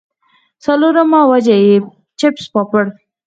څلورمه وجه ئې چپس پاپړ